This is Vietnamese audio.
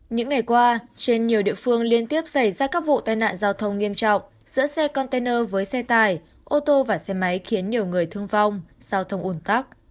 những ngày qua trên nhiều địa phương liên tiếp xảy ra các vụ tai nạn giao thông nghiêm trọng giữa xe container với xe tải ô tô và xe máy khiến nhiều người thương vong giao thông ủn tắc